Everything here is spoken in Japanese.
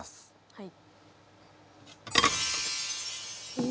はい。